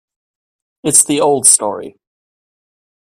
It's the old story.